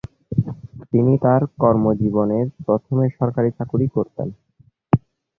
তিনি তার কর্মজীবনের প্রথমে সরকারি চাকুরি করতেন।